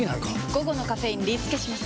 午後のカフェインリスケします！